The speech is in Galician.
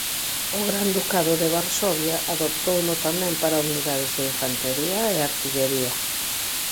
O Gran Ducado de Varsovia adoptouno tamén para unidades de infantería e artillería.